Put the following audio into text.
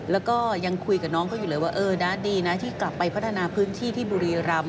แล้วก็ยังคุยกับน้องเขาอยู่เลยว่าเออนะดีนะที่กลับไปพัฒนาพื้นที่ที่บุรีรำ